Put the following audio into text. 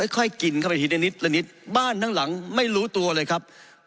ค่อยกินเข้าไปทีละนิดละนิดบ้านทั้งหลังไม่รู้ตัวเลยครับ